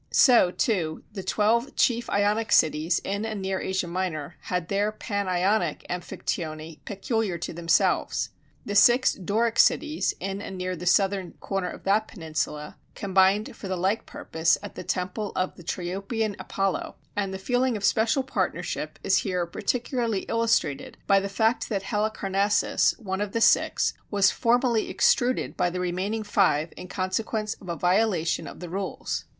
So, too, the twelve chief Ionic cities in and near Asia Minor had their pan Ionic Amphictyony peculiar to themselves: the six Doric cities, in and near the southern corner of that peninsula, combined for the like purpose at the temple of the Triopian Apollo, and the feeling of special partnership is here particularly illustrated by the fact that Halicarnassus, one of the six, was formally extruded by the remaining five in consequence of a violation of the rules.